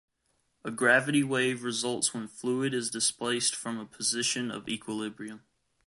A gravity wave results when fluid is displaced from a position of equilibrium.